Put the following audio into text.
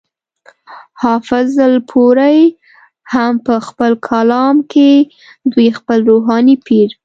حافظ الپورۍ هم پۀ خپل کالم کې دوي خپل روحاني پير